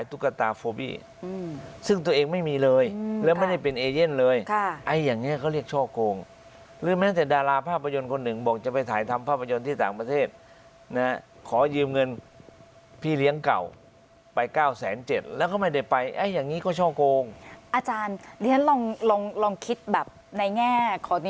อื้มซึ่งตัวเองไม่มีเลยแล้วไม่ได้เป็นเลยค่ะไอ้อย่างเนี้ยเขาเรียกช่องโกงหรือแม้ตั้งแต่ดาราภาพยนตร์คนหนึ่งบอกจะไปถ่ายทำภาพยนตร์ที่ต่างประเทศนะฮะขอยืมเงินพี่เลี้ยงเก่าไปเก้าแสนเจ็ดแล้วเขาไม่ได้ไปไอ้อย่างนี้ก็ช่องโก